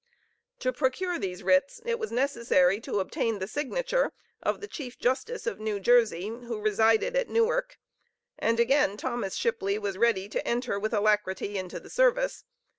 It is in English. To procure these writs, it was necessary to obtain the signature of the chief justice of New Jersey, who resided at Newark, and again Thomas Shipley was ready to enter with alacrity into the service.